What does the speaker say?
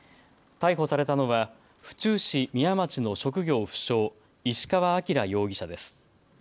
逮捕されたのは府中市宮町の職業不詳、石川晃容疑者です。